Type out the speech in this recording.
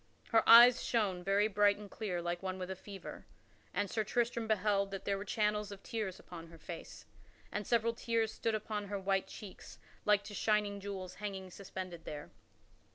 Her eyes shone very bright and clear like one with a fever, and Sir Tristram beheld that there were channels of tears upon her face and several tears stood upon her white cheeks like to shining jewels hanging suspended there.